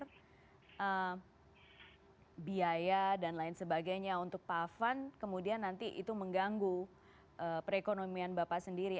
karena biaya dan lain sebagainya untuk pak afan kemudian nanti itu mengganggu perekonomian bapak sendiri